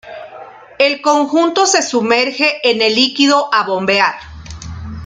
El conjunto se sumerge en el líquido a bombear.